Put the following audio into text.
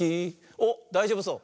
おっだいじょうぶそう。